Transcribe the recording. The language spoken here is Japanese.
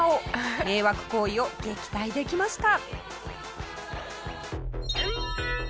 迷惑行為を撃退できました。